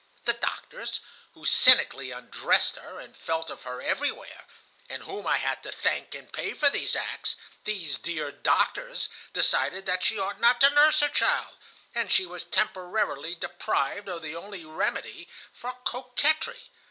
The doctors, who cynically undressed her and felt of her everywhere, and whom I had to thank and pay for these acts,—these dear doctors decided that she ought not to nurse her child, and she was temporarily deprived of the only remedy for coquetry.